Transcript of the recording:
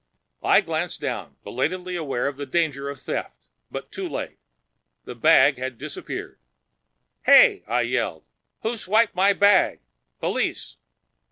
I glanced down, belatedly aware of the danger of theft. But too late. The bag had disappeared. "Hey!" I yelled. "Who swiped my bag? Police!"